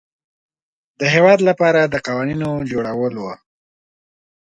د هیواد لپاره د قوانینو جوړول وه.